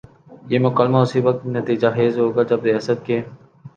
یہ مکالمہ اسی وقت نتیجہ خیز ہو گا جب ریاست کے